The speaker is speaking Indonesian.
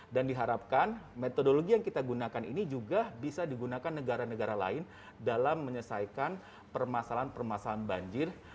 dan diharapkan metodologi yang kita gunakan ini juga bisa digunakan negara negara lain dalam menyelesaikan permasalahan permasalahan banjir